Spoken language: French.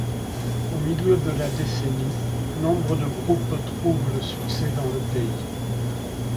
Au milieu de la décennie, nombre de groupes trouvent le succès dan le pays.